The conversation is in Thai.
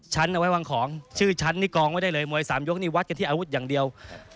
ฉันเอาไว้วางของชื่อฉันนี่กองไว้ได้เลยมวย๓ยกนี่วัดกันที่อาวุธอย่างเดียว